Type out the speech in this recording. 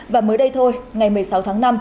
và mới đây thôi ngày một mươi sáu tháng năm